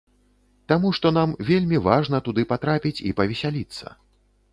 Таму што нам вельмі важна туды патрапіць і павесяліцца.